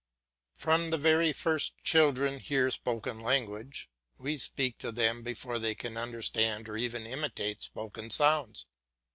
From the very first children hear spoken language; we speak to them before they can understand or even imitate spoken sounds.